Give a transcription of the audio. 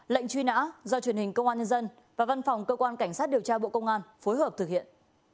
lệnh truy nã do truyền hình công an nhân dân và văn phòng cơ quan cảnh sát điều tra bộ công an phối hợp thực hiện